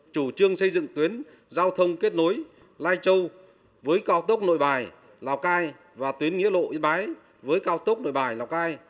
chủ trương xây dựng tuyến giao thông kết nối lai châu với cao tốc nội bài lào cai và tuyến nghĩa lộ yên bái với cao tốc nội bài lào cai